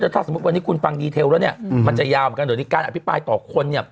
ถ้าสมมุติวันนี้คุณฟังดีเทลแล้วมันจะยาวเหมือนกันโดยนี้การอภิปรายต่อคน